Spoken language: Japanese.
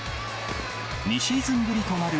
２シーズンぶりとなる